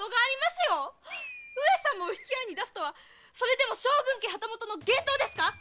上様を引き合いに出すとは将軍家旗本の言動ですかっ？